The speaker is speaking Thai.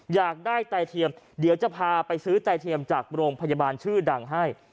อยากได้ไตเทียมเดี๋ยวจะพาไปซื้อไตเทียมจากโรงพยาบาลชื่อดังให้